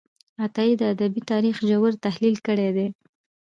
عطايي د ادبي تاریخ ژور تحلیل کړی دی.